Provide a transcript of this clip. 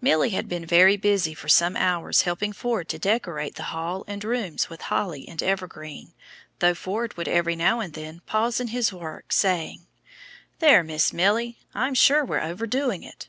Milly had been very busy for some hours helping Ford to decorate the hall and rooms with holly and evergreen, though Ford would every now and then pause in his work, saying: "There, Miss Milly, I'm sure we're overdoing it.